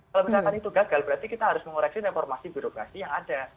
kalau misalkan itu gagal berarti kita harus mengoreksi reformasi birokrasi yang ada